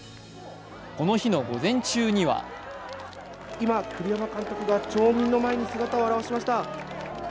この日の午前中には今、栗山監督が町民の前に姿を現しました。